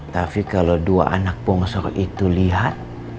tapi kalau dua anak pongsor itu lihat